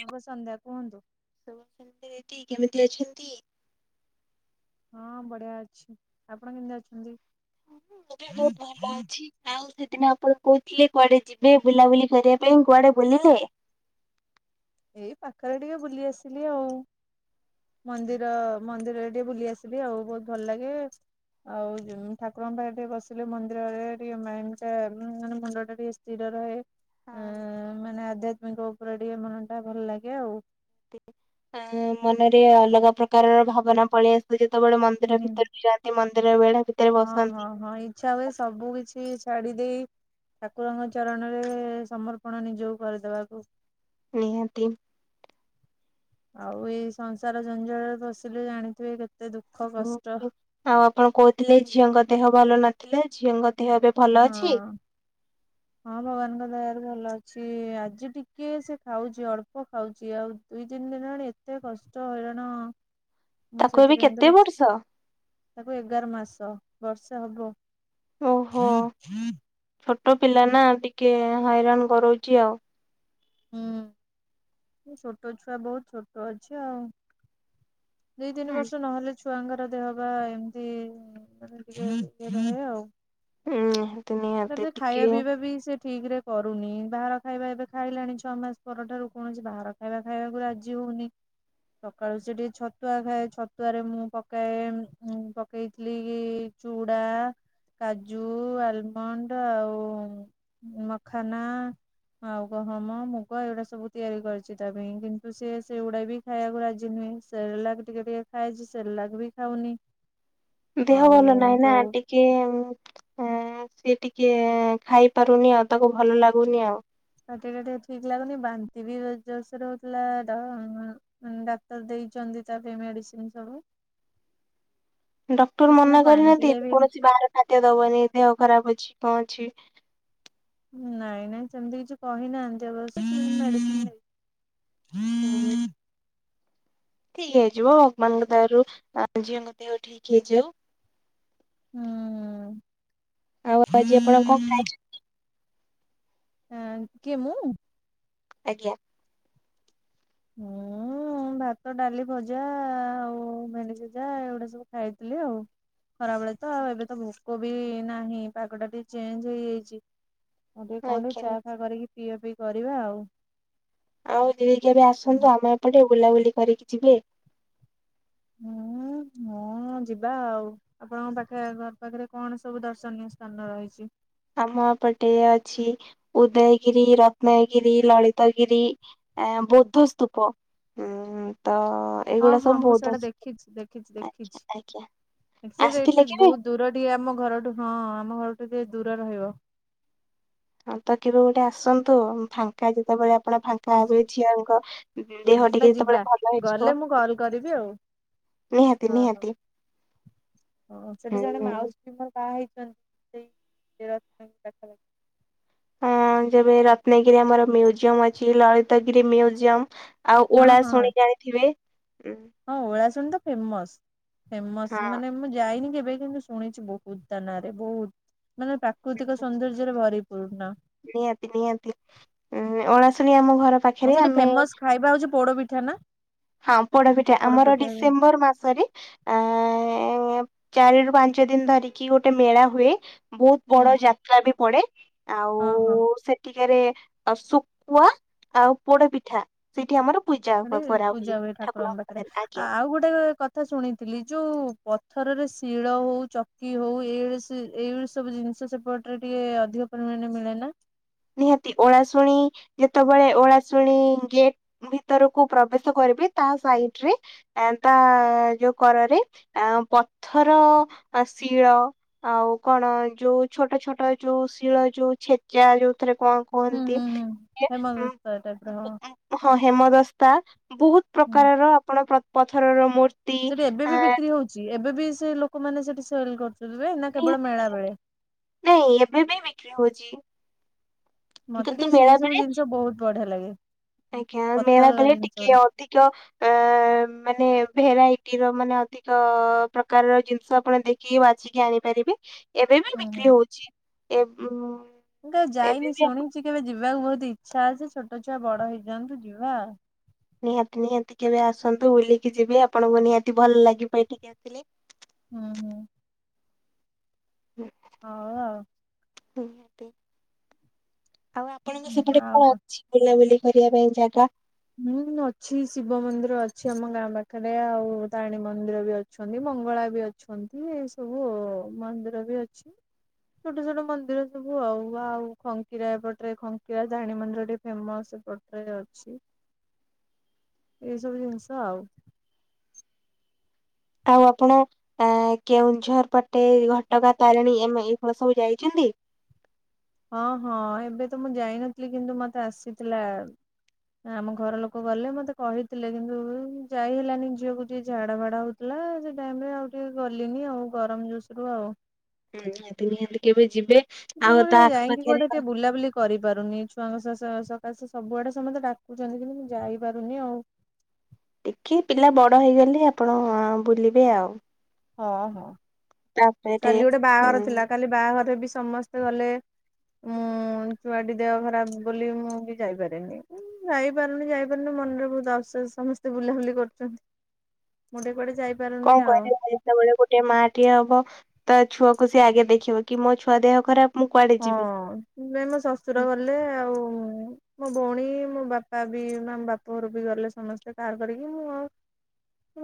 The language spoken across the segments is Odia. ହବ ସନ୍ଧ୍ୟା। କୁହନ୍ତୁ? [unintelligible] ଦିଦି କେମିତି ଅଛନ୍ତି? ହଁ ବଢିଆ ଅଛି ଆପଣ କେମିତି ଅଛନ୍ତି? [unintelligible] ଭଲ ଅଛି। ଆଉ ସେଦିନ ଆପଣ କହୁଥିଲେ କୁଆଡେ ଯିବେ ବୁଲାବୁଲି କରିବା ପାଇଁ କୁଆଡେ ବୁଲିଲେ? ଏଇ ପାଖରେ ଟିକେ ବୁଲି ଆସିଲି ଆଉ। ମନ୍ଦିର ମନ୍ଦିରରେ ଟିକେ ବୁଲି ଆସିବି ଆଉ ବହୁତ ଭଲ ଲାଗେ ଆଉ ଠାକୁରଙ୍କ ପାଖାରେ ଟିକେ ବସିଲେ ମନ୍ଦିରରେ ଟିକେ ମାନେ ମୁଣ୍ଡ ଟା ଟିକେ ସ୍ଥିର ରହେ ଆ ମାନେ ଆଧ୍ୟାତ୍ମିକ ଉପରେ ଟିକେ ମନ ଟା ଭଲ ଲାଗେ ଆଉ। ଅ ମନରେ ଅଲଗା ପ୍ରକାରର ଭାବନା ପଳେଇ ଆସବ ଯେତେବେଳେ ମନ୍ଦିର ହୁଁ। ଭିତରେ ଯାଇକି ମନ୍ଦିର ବେଢା ଭିତରେ ହଁ ବସନ୍ତି ହଁ ହଁ ଇଚ୍ଛା ହୁଏ ସବୁ କିଛି ଛାଡି ଦେଇ ଠାକୁରଙ୍କ ଚରଣରେ ସମର୍ପଣ ନିଜକୁ କରିଦବାକୁ। ନିହାତି। ଆଉ ଏଇ ସଂସାର ଜଞ୍ଜଳରେ ପସିଲେ ଜାଣିଥିବେ କେ ତେ ଦୁଃଖ। କଷ୍ଟ। ଆଉ ଆପଣ କହୁଥିଲେ ଝିଅଙ୍କ ଦେହ ଭଲ ନଥିଲା ଝିଅଙ୍କ ଦେହ ଏବେ ଭଲ ହଁ। ଅଛି। ହଁ ଭଗବାନଙ୍କ ଦୟାରୁ ଭଲ ଅଛି। ଆଜି ଟିକେ ସେ ଖାଉଚି ଅଳ୍ପ ଖାଉଚି ଆଉ ଦୁଇ ତିନି ଦିନ ହେଣି ଏତେ କଷ୍ଟ ହଇରାଣ ମୁଁ ତାକୁ ଏବେ ସେଥିପାଇଁ ତ କେତେ କିଛି ବର୍ଷ? ତାକୁ ଏଗାର ମାସ ବର୍ଷେ ହବ। ଓହୋ ଛୋଟ ପିଲା ହୁଁ। ନା ଟିକେ ହଇରାଣ କରୋଉଚି ଆଉ। ହୁଁ ଛୋଟ ଛୁଆ ବହୁତ ଛୋଟ ଅଛି ଆଉ। ଦୁଇ ତିନି ବର୍ଷ ନହେଲେ ଛୁଆଙ୍କର ଦେହ ବା ଏମିତି ମେ ଟିକେିକ ରହେ ଆଉ। ହୁଁ। ନିହାତି ମେ ଖାଇବା ଟିକେ ପିଇବା ବି ସେ ଠିକ ରେ କରୁନି ବାହାର ଖାଇବା ଏବେ ଖାଇଲାଣି ଛଅ ମାସ ପରଠାରୁ କୌଣସି ବାହାର ଖାଇବା ଖାଇବାକୁ ରାଜି ହଉନି। ସକାଳୁ ସେ ଟିକେ ଛତୁଆ ଖାଏ ଛତୁଆରେ ମୁଁ ପକାଏ କହିଥିଲି କି ଚୁଡା କାଜୁ ଆଲ ମଣ୍ଡ ଆଉ ମଖାନା ଆଉ ଗହମ ମୁଗ ଏଗୁଡା ସବୁ ତିଆରି କରିଚି ତା ପାଇଁ କିନ୍ତୁ ସେି ସେଗୁଡା ବି ଖାଇବାକୁ ରାଜି ନୁହେଁ। ସେରେଲାକ ଟିକେ ଟିକେ ଖାଏ ସେରେଲାକ ବି ଖାଉନି। ଦେହ ଆଉ ଭଲ ନହିଁ ନା ଯୋଉ ଟି ଟେ ସିଏ ଟିକେ ଖାଇପାରୁନି ଆଉ ତାକୁ ଭଲ ଲାଗୁନି ଆଉ। ଦେହ ଟା ଠିକ ଲାଗୁନି ବାନ୍ତି ବି ଜୋରସରେ ରଉଥିଲା ତ ଉଁ ଡାକ୍ତର ଦେଇଚନ୍ତି ତା ପାଇଁ ମେଡିସିନ ସବୁ। [unintelligible] ସେ ଡକ୍ଟର ସିନା ମନା ପାଣି କରିନାହାନ୍ତି ଟିକେ ଏବେ ବି କୌଣସି ବାହାର ଖାଦ୍ୟ ଦବନି ଦେହ ଖରାପ ଅଛି କଣ ଅଛି? ନାଇଁ ନାଇଁ ସେମିତି କିଛି କହିନାହାନ୍ତି ଅବଶ୍ୟ [unintelligible] ହଁ। ଠିକ ହେଇଯିବ ଭଗବାନଙ୍କ ଦୟାରୁ ଝିଅଙ୍କ ଦେହରୁ ଠିକ ହେଇଯିବ। ହୁଁ। ଆଉ ଆଜି ଆପଣ କଣ ଖାଇଚନ୍ତି? ହଁ କେ ମୁଁ? ଆଜ୍ଞା। ହୁଁ ହୁଁ ଭାତ, ଡାଲି ଭଜା ଆଉ ମେଣ୍ଡି ଭଜା ଏଇଗୁଡା ସବୁ ଖାଇଥିଲି ଆଉ। ଖରା ବେଳେ ତ, ଆଉ ଏବେ ତ ଭୋକ ବି ନାହିଁ ପାଗଟା ଟିକେ ଚେଞ୍ଜ ହେଇଯାଇଛି। ଆଉ ଟିକେ କଣ ଟେ ଚା ଆଜ୍ଞା ଫା କରିକି ପିଆଜ ପିଆ ପିଇ କରିବା ଆଉ। ଆଉ ଦି ହଜାର ଆସନ୍ତୁ, ଆମେ ଏପଟେ ବୁଲାବୁଲି କରିକି ଯିବେ। [unintelligible] ମୁଁ ଯିବା ଆଉ, ଆପଣଙ୍କ ପାଖେ ଘର ପାଖରେ କଣ ସବୁ ଦର୍ଶନୀୟ ସ୍ଥାନ ରହିଛି। ଆମପଟେ ଅଛି ଉଦୟଗିରି, ରତ୍ନଗିରି, ଲଳିତଗିରି। ଆ ବୌଦ୍ଧସ୍ତୂପ, ଉଁ ତ ହଁ ଏଇଗୁଡା ହଁ ସବୁ ମୁଁ ସେଇଟା ବୌଦ୍ଧ ଦେଖିଛି, ଦେଖିଛି, ଆଚ୍ଛା ଆଜ୍ଞା ଦେଖିଛି ସେଇଟା ଆସିଥିଲେ ଏତେ କେବେ? ବହୁତ ଦୂର ଟିଇ ଆମ ଘରଠୁ, ହଁ ଆମ ଘରଠୁ ଟିକେ ଦୂର ରହିବ। ଫାଙ୍କା କେବେ ଗୋଟେ ଆସନ୍ତୁ, ଫାଙ୍କା ଯେତେବେଳେ ଆସ ଆପଣ ହଁ ଯି ଫାଙ୍କାବେ ଝିଅଙ୍କ ଦେହ ଯିବା ଟିକେ ଯିବା ଯେତେବେଳେ ଭଲ ହେଇଯିବ ଗଲେ ମୁଁ କଲ୍ କରିବି ଆଉ ନିହାତି ହଁ ନିହାତି। ହଁ ସେଠି ହୁଁ ଜଣେ ହୁଁ। ମାଉସୀ ମୋର ବାହା ହେଇଛନ୍ତି। ସେଇ ରନ ଦେଖାଖି [unintelligible] ହଁ ଯେବେ ରତ୍ନଗିରି ଆମର ମୁଜିୟମ ଅଛି, ଲଳତାଗିରି ମୁଜିୟମ ଆଉ ହଁ ଓଳା ହଁ ହଁ ଶୁଣି ଜାଣିଥିବେ? ହୁ ହଁ ଓଳାଶୁଣ ତ ଫେମସ, ଫେମସ ହଁ ମାନେ ମୁଁ ଯାଇନି କେବେ କିନ୍ତୁ ଶୁଣିଛି ବହୁତ ତା ନାରେ ବହୁତ, ମାନେ ପ୍ରାକୃତିକ ସୌନ୍ଦର୍ଯ୍ୟରେ ଭରିପୂର୍ଣ। ନିହାତି, ନିହାତି ଉଁ ଓଳାଶୁଣୀ ଆମ ଘର ଆଁ ପାଖରେ ସେଠି ଆମେ ଫେମସ ଖାଇବା ହଉଛି ପୋଡପିଠା ନା? ହଁ ପୋଡପିଠା, ପୋଡ ଆମର ପିଠା ହୁଁ ଡିସେମ୍ବର ମାସରେ ଆ ଚାରିରୁୁ ପାଞ୍ଚ ଦିନ ଧରିକି ଗୋଟେ ମେଳା ହୁଏ। ବହୁତ ବଡ ହଁ ଯାତ ମେଳାବି ପଡେ ଆଉ ହଁ ସେ ଟିକାରେ ଆ ଶୁଖୁଆ ଆଉ ପୋଡ ପିଠା, ସେଇଠି ଆମର ପୂଜା ସେଠି ହ କରାହଉ ପୂଜା ହୁଏ ଠାକୁରଙ୍କ ପାଖରେ। ଆଉ ଗୋଟେ ପାଥ ତା ଶୁଣିଥିଲି ଯୋଉ ପଥରରେ ଶିଳ ହଉ, ଚକି ହଉ ଏଇ ଏଇଳି ସବୁ ଜିନିଷ ସବ ଏପଟରେ ଟିକେ ଅଧିକ ପରିମାଣ ମିଳେ ନା? ନିହାତି, ଓଳାଶୁଣି ଯେତେବେଳେ ଓଳାଶୁଣି ଗେଟ ମୁଁ ଭିତରକୁ ପ୍ରବେଶ କରିବି, ତା ସାଇଡି ରେ ଏଁ ତା ଯୋଉ କରରେ ଅ ପଥର ଅ ଶିଳ ଆଉ କଣ, ଯୋଉ ଛୋଟ, ଛୋଟ ଯୋଉ ଶିଳ ଯୋଉ ଛେଚା ଯୋଉଥିରେ କଣ ହୁଁ କୁହନ୍ତି, ହୁଁ ହୁଁ ସିଏ ହୁଁ ହେମଦସ୍ତା ଟାଇପ ର ହଁ। ହଁ ହେମଦସ୍ତା ବହୁତ ହୁଁ ପ୍ରକାରର ଆପଣ ପ୍ର ପଥରର ମୂର୍ତ୍ତି ସେଠି ଏବେ ଆ ବି ବିକ୍ରି ହଉଛି, ଏବେ ବି ସେ ଲୋକମାନେ ସେଠି ସେଲ କରୁ ନା କେବଳ ମେଳା ବେଳେ? ନାଇଁ, ଏବେ ବି ବିକ୍ରି ହଉଛି। ମତେ କିନ୍ତୁ ଟିକେ ସେଇ ମେଳା ସବୁ ବେଳେ, ଜିନିଷ ବହୁତ ବଢିଆ ଲାଗେ ଆଜ୍ଞା ମେଳା ପଥରର ବେଳେ ଜିନିଷ ଟିକେ ଗୁଡା ଅଧିକ ଅ ମାନେ ଭେରାଇଟିର ମାନେ ଅଧିକ ପ୍ରକାରର ଜିନିଷ ଆପଣ ଦେଖ କି ବାଜିକି ଆଣିପାରିବେ। ଏବେ ବି ହୁଁ ହୁଁ। ବିକ୍ରି ହଉଛି। ଏବ ଉଁ ମୁଁ କେବେ ଏବେ ଯାଇନି ବି ଆପଣ ଶୁଣିିଛି, କେବଳ ଯିବାକୁ ବହୁତ ଇଚ୍ଛା ଅଛି। ଛୋଟ ଛୁଆ ବଡ ହେଇଯାଆନ୍ତୁ ଯିବା ଆଉ। ନିହାତି, ନିହାତି କେବେ ଆସନ୍ତୁ। ବୁଲିକି ଯିବେ ଆପଣଙ୍କୁ ନିହାତି ଭଲ ଲାଗିିବ ଏଠିକି ଆସିଲେ। ହୁଁ ହୁଁ ହୁଁ ହଉ ଆଉ। ଆଉ ଆପଣଙ୍କ ହୁଁ ସେପଟେ ଆଉ କଣ ଅଛି। ବୁଲାବୁଲି କରିବା ପାଇଁ ଜାଗା। ହୁଁ ଅଛି ଶିବ ମନ୍ଦିର ଅଛି ଆମ ଗାଁ ପାଖରେ ଆଉ ତାରିଣୀ ମନ୍ଦିର ବି ଅଛି। ଅଛନ୍ତି ମଙ୍ଗଳା ବି ଅଛନ୍ତି ଏ ସବୁ ମନ୍ଦିର ବି ଅଛି। ଛୋଟ ଛୋଟ ମନ୍ଦିର ସବୁ ଆଉ ଆଉ ଖଙ୍କିରା ଏପଟରେ ଖଙ୍କିରା ସାହାଣୀ ମନ୍ଦିର ଟିକେ ଫେମସ୍ ଏପଟେ। ଅଛି। ଏଇ ସବୁ ଜିନିଷ ଆଉ। ଆଉ ଆପଣ କେଉଁଝର ପଟେ ଘଟଗାଁ ତାରିଣୀ ଏ ଏଇପଟ ସବୁ ଯାଇଛନ୍ତି। ହଁ ହଁ ଏବେ ତ ମୁଁ ଯାଇନଥିଲି କିନ୍ତୁ ମତେ ଆସିଥିଲା। ଆମ ଘର ଲୋକ ଗଲେ ମତେ କହିଥିଲେ କିନ୍ତୁ ଯାଇ ହେଲାନି ଝିଅକୁ ଯିଏ ଝାଡା ଭାଡା ହଉ। ଥିଲା ସେ ଟାଇମ ରେ ଆଉ ଟିକେ ଗଲିଣିି ଆଉ ଗରମ ଜୁସ ରୁ ଆଉ। ହୁଁ ନିହାତି ନିହାତି କେବେ ଯିବେ। ତ ଆଉ ମୁଁ ତା ଯାଇକି ଆଖପାଖରେ କୁଆଡେ ଟିକେ ବୁଲା ବୁଲି। କରିପାରୁନି ଛୁଆଙ୍କ ସକାଶେ ସବୁଆଡେ ସମସ୍ତେ ଡାକୁଛନ୍ତି କିନ୍ତୁ ମୁଁ ଯାଇପାରୁନି ଆଉ। ଟିକେ ପିଲା ବଡ଼ ହେଇଗଲେ ଆପଣ ବୁଲିବେ ଆଉ। ହଁ ହଁ। ତା। କାଲି ଗୋଟେ ବାହାଘର ଥିଲା କାଲି ବାହାଘରରେ ବି ସମସ୍ତେ ଗଲେ। ମୁଁ ଛୁଆଟି ଦେହ ଖରାପ ବୋଲି ମୁଁ ବି ଯାଇପାରିନି ଯାଇପାରୁନି ଯାଇ। ମନରେ ବହୁତ ଅବସୋସ୍ ସମସ୍ତେ ବୁଲାବୁଲି କରୁଛନ୍ତି ମୁଁ ଟିକେ କୁଆଡେ ଯାଇ। କଣ କହିବି [inaudible] ଯେତେବେଳେ ଗୋଟେ ମା ଟିଏ ହବ ତା ଛୁଆକୁ ସିଏ ଆଗେ ଦେଖିବ କି ମୋ ଛୁଆ ଦେହ ଖରାପ। ମୁଁ କୁଆଡେ ଯିବି ହଁ ନାଇ ମୋ ଶଶୁର ଗଲେ ଆଉ। ମୋ ଭଉଣୀ ମୋ ବାପା ବି ମୋ ବାପା ଘର ବି ଗଲେ ସମସ୍ତେ କାର୍ କରିକି ମୁଁ ଆଉ।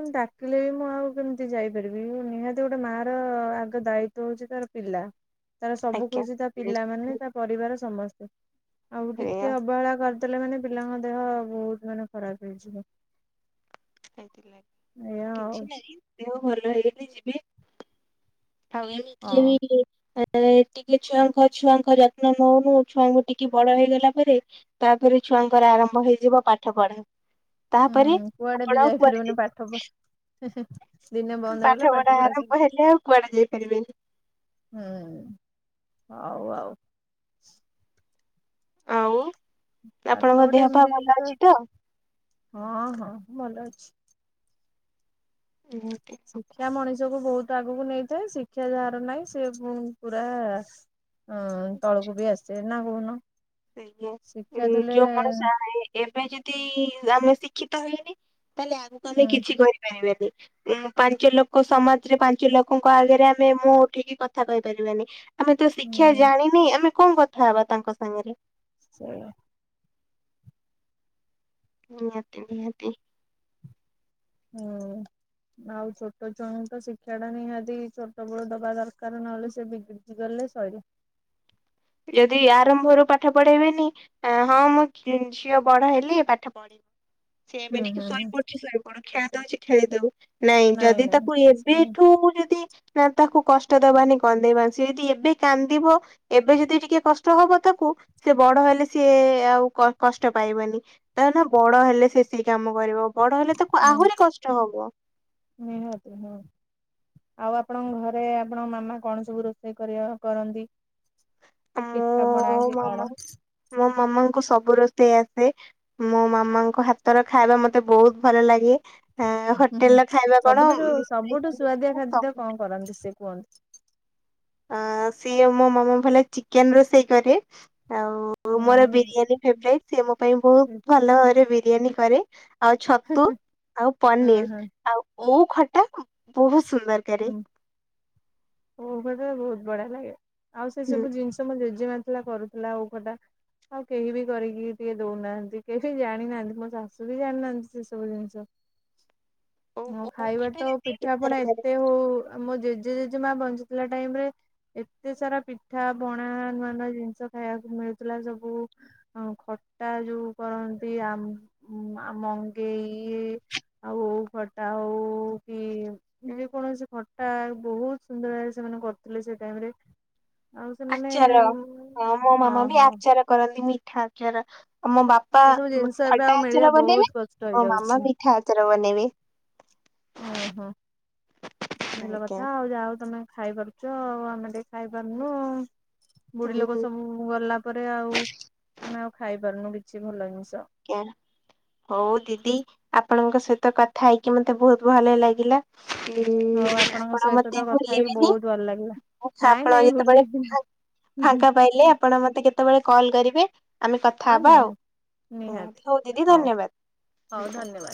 ମୁଁ ଡାକିଲେ ବି ମୁଁ ଆଉ କେମିତି ଯାଇପାରିବି ନିହାତି ଗୋଟେ ମା ର ଆଗ ଦାୟିତ୍ଵ ହଉଛି ତାର। ପିଲା। ତାର ସବୁ ଆଜ୍ଞା। ଖୁସି ତା ପିଲାମାନେ ତା ପରିବାର ସମସ୍ତେ ଆଉ ଟିକେ ଅବହେଳା କରି। ଦେଲେ ମାନେ ପିଲାଙ୍କ ଦେହ ବହୁତ ମାନେ ଖରାପ ହେଇଯିବ। ଏଇଆ ସେଥିଲାଗି ଆଉ କିଛି ନାହିଁ ଦେହ ଭଲ ହେଇ ବି ଯିବେ। ଆଉ ହଁ ଏମିତିରେ ବି। ଆ ଟିକେ ଛୁଆଙ୍କ ଛୁଆଙ୍କ ଯତ୍ନ ନଉନୁ ଛୁଆଙ୍କୁ ଟିକେ ବଡ ହେଇଗଲା ପରେ। ତାପରେ ଛୁଆଙ୍କର ଆରମ୍ଭ ହେଇଯିବ ପାଠ ପଢା। ତାପରେ ହୁଁ କୁଆଡେ ଆପଣ ବି ଆଉ କୁଆଡେ। ଯାଇପାରିବନି ପାଠ ପଢା ଦିନେ ବନ୍ଦ ହେଇଗଲା ପାଠ ପଢା ସବୁ ଆରମ୍ଭ ହେଲେ ଆଉ କୁଆଡେ ଯାଇପାରିବେନି। ହୁଁ ହୋଉ ଆଉ। ଆଉ ପାଠ ଆପଣଙ୍କ ଗୋଟେ ଦେହ ପା ଏମିତି ଭଲ ଜିନିଷ ଅଛି ତ। ହଁ ହଁ ଭଲ ଅଛି। ହ [inaudible] ଶିକ୍ଷା ମଣିଷକୁ ବହୁତ ଆଗକୁ ନେଇଥାଏ ଶିକ୍ଷା ଯାହାର ନାହିଁ ସେ ପୁରା। ହଁ ତଳକୁ ବି ଆସେ ନା କହୁନ। ଆଜ୍ଞା ଶିକ୍ଷା ସେ ଥିଲେ ଯୋଉ ମଣିଷ। ଏବେ ଯଦି ଆମେ ଶିକ୍ଷିତ ହେଇନି ତାହେଲେ ଆଗକୁ ଆମେ ହୁଁ କିଛି କରିପାରିବାନି। ଉଁ ପାଞ୍ଚ ଲୋକ ସମାଜରେ ପାଞ୍ଚ ଲୋକଙ୍କ ଆଗରେ ଆମେ ମୁହଁ ଉଠିକି କଥା କହିପାରିବାନି। ଆମେ ତ ଶିକ୍ଷା ହୁଁ ଜାଣିନି ଆମେ କଣ କଥା ହବା ତାଙ୍କ ସାଙ୍ଗରେ। ସେୟା। ନିହାତି ନିହାତି। ହୁଁ। ଆଉ ଛୋଟ ଛୁଆଙ୍କୁ ତ ଶିକ୍ଷା ଟା ନିହାତି ଛୋଟ ବେଳୁ ଦବା ଦରକାର ନହେଲେ ସେ ବି ଗଲେ ସଇଲା। ଯଦି ଆରମ୍ଭରୁ ପାଠ ପଢେଇବେନି ଆଁ ହଁ ମୁଁ ଝିଅ ବଡ ହେଲି ପାଠ ପଢିବି। ସେ ଏବେ ହୁଁ ଟିକେ ହୁଁ ହୁଁ ଶୋଇପଡୁଛି ଶୋଇପଡୁ ଖେଆଳି ଦଉଛି ଖେଳି ଦଉ। ନାଇଁ ଯଦି ନାଇଁ ତାକୁ ସେ ସବୁ ଏବେଠୁ ମୁଁ ଯଦି ନାଁ ତାକୁ କଷ୍ଟ ଦବାନି କନ୍ଦେଇବ ସେ ଯଦି ଏବେ କାନ୍ଦିବ ଏ ଏ ଯଦି ଟିକେ କଷ୍ଟ ହବ ତାକୁ ସେ ବଡ ହେଲେ ସିଏ ଆଉ କଷ୍ଟ ପାଇବନି। ତା ନାଁ ବଡ ହେଲେ ସେଠି କାମ କରିବ ବଡ ହେଲେ ତାକୁ ଆହୁରି କଷ୍ଟ ହବ। ନିଁହାତି ହୁଁ। ଆଉ ଆପଣଙ୍କ ଘରେ ଆପଣଙ୍କ ମାମା କଣ ସବୁ ରୋଷେଇ କରିବା କରନ୍ତି? ମୋ ପିଠା ପଣାକି ମାମା କଣ? ମୋ ମାମାଙ୍କୁ ସବୁ ରୋଷେଇ ଆସେ। ମୋ ମାମାଙ୍କ ହାତର ଖାଇବା ମତେ ବହୁତ୍ ଭଲ ଲାଗେ। ଆ ହୁଁ ହୋଟେଲ ହୁଁ ର ଖାଇବା କଣ ସବୁଠୁଠୁ ସବୁଠୁ ସୁଆଦିଆ ଉଁ, ଖାଦ୍ୟ ସବୁ କଣ କରନ୍ତି ସେ କୁହନ୍ତି। ଅ ସିଏ ମୋ ମାମା ଭଲ ଚିକେନ୍ ରୋଷେଇ କରେ ଆଉ ମୋର ହୁଁ। ବିରିୟାନୀ ଫ୍ରେବରାଟ୍ ସେ ମୋ ପାଇଁ ବହୁତ୍ ହୁଁ ଭଲ ଭାବରେ ବିରିୟାନୀ କରେ। ଆଉ ଛତୁ ଆଉ ପନିର୍ ହୁଁ ଆଉ ଓଉ ଖଟା ବହୁତ୍ ସୁନ୍ଦର। କରେ ହୁଁ ଓ ଗଟେ ବହୁତ୍ ବଢିଆ ଲାଗେ ଆଉ ସେ ହୁଁ। ସବୁ ଜିନିଷ ତ ମୋ ଜେଜେମା ଥିଲା କରୁଥିଲା ଓଉ ଖଟା। ଆଉ କେହି ବି କରିକି ଟିକେ ଦଉନାହାନ୍ତି କେହି ବି ଜାଣିନାହାନ୍ତି ମୋ ଶାଶୁ ବି ଜାଣିନାହାନ୍ତି ସେ ସବୁ ଜିନିଷ। [unintelligible] ହଁ ଓଉ ଖାଇବ ଖଟା ତ ଦି ପ୍ରକାର ପିଠାପଣ କରେ ଏତେ ହଉ ଆମ ଜେଜେ ଜେଜେ ମା ବଞ୍ଚୁଥିଲା ଟାଇମ୍ ରେ ଏତେ ସାରା ପିଠା ପଣା ନୂଆ ନୂଆ ଜିନିଷ ଖାଇବାକୁ ମିଳୁଥିଲା ସବୁ। ଆଉ ଖଟା ଯୋଉ କରନ୍ତି ଆ ଆମ ଙ୍ଗେଇ ଆଉ ଖଟା ହଉ କି ଯେ କୌଣସି ଖଟା ବହୁତ୍ ସୁନ୍ଦର ଭାବେ ସେମାନେ କରିଥିଲେ ସେ ଟାଇମ୍ ରେ। ଆଉ ସେମାନେ ଆଚାର। ମୋ ହଁ ମାମା ବି ହଁ। ଆଚାର କରନ୍ତି ମିଠା ଆଚାର ଆ ମୋ ବାପା ସେ ସବୁ ଜିନିଷ ଏବେ ଆଉ ଖଟା ମିଳିବା ଆଚାର ବନେଇଲେ ବହୁତ କଷ୍ଟ ମୋ ହେଇଯାଉଛି। ମାମାଠି ଠାଆଚାର ବନେଇବେ। ଓ ହୋ ଭଲ ଆଜ୍ଞା। କଥା ଆଉ ଯାହା ହଉ ତମେ ଖାଇପାରୁଚ ଆଉ ଆମେ ଦେ ଖାଇ ପାରୁନୁ ବୁଢୀ ହୁଁ ଲୋକ ସବୁ ଗଲା ତା ପରେରେ ଆଉ ଆମେ ଆଉ ଖାଇ ପାରୁନୁ କିଛି ଭଲ ଜିନିଷ। ଜ୍ଞା ହଉ ଦିଦି ଆପଣଙ୍କ ସହିତ କଥା ହେଇକି ମତେ ବହୁତ ଭଲ ଲାଗିଲା। ହୁଁ ହଉ ଆପଣଙ୍କ ଆପଣ ସହିତ ମତେ ତ କଥା ହେଇକି ଭୁଲିବେନି। ବହୁତ ଭଲ ଲାଗିଲା। ଆଛା ନାଇଁ ଆପଣ ନାଇଁ ଯେତେବେଳେ ଭୁଲେଇବିନି ଫା ଫାଙ୍କା ପାଇଲେ ଆପଣ ମତେ କେତେ କେତେବେଳେ କଲ୍ କରିବେ ଆମେ କଥା ହଁ ହବା ଆଉ। ନିହାତି ଉଁ ହଉ ଦିଦି ଧନ୍ୟବାଦ୍ ହଉ [unintelligible] ଧନ୍ୟବାଦ।